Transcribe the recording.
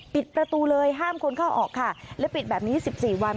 ปิดประตูเลยห้ามคนเข้าออกค่ะและปิดแบบนี้สิบสี่วัน